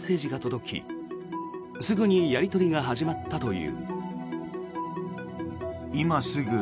きすぐにやり取りが始まったという。